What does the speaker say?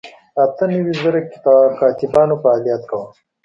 اته نوي زره کاتبانو فعالیت کاوه.